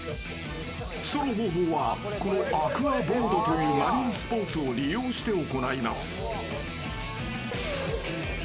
その方法はこのアクアボードというマリンスポーツを利用して行います。